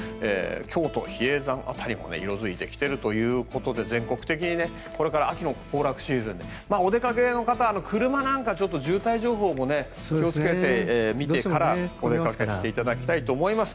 京都・比叡山辺りも色付いてきているということで全国的にこれから秋の行楽シーズンでお出かけの方は渋滞情報も気をつけて見てからお出かけしていただきたいと思います。